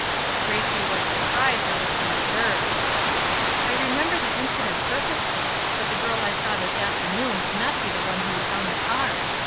Gracie was surprised out of her reserve. "I remember the incident perfectly: but the girl I saw this afternoon cannot be the one who was on the car."